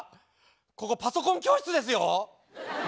ここパソコン教室ですよ。